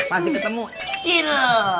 masih ketemu chill